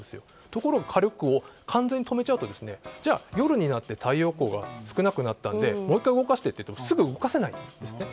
ところが火力を完全に止めちゃうと夜になって太陽光が少なくなったのでもう１回動かしてといってもすぐ動かせないんですね。